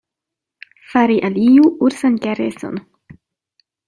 Fari al iu ursan kareson.